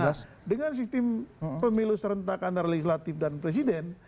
nah dengan sistem pemilu serentak antara legislatif dan presiden